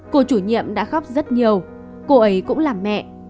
cô chủ nhiệm đã khóc rất nhiều cô ấy cũng làm mẹ